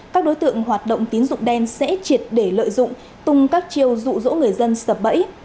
các đối tượng hoạt động tín dụng đen sẽ triệt để lợi dụng tung các chiêu dụ dỗ người dân sập bẫy